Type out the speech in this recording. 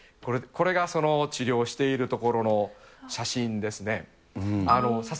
これがその治療しているところの写真ですね。